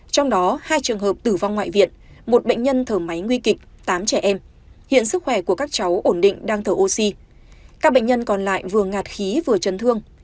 trong đó hai trường hợp tử vong ngoại viện một bệnh nhân thở máy nguy kịch tám trẻ em hiện sức khỏe của các cháu ổn định đang thở oxy các bệnh nhân còn lại vừa ngạt khí vừa chấn thương